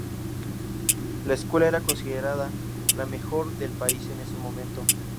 La escuela era considerada la mejor del país en ese momento.